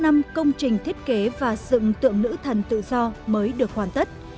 pháp mỹ là một bức tượng thiết kế và dựng tượng nữ thần tự do mới được hoàn tất